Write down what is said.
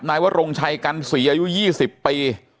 นายวรงชัยกันศรีอายุ๒๐ปี